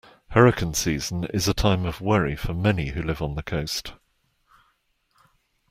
Hurricane season is a time of worry for many who live on the coast.